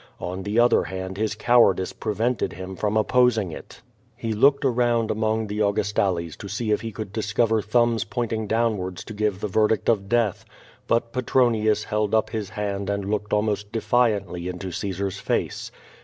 On the other hand his cowardice prevented him from opposing it. He looked around among the Augustales to see if he could discover thumbs pointing downwards to give the verdict of death. But Petronius held up his hand and looked almost defiantly into Caesar's face.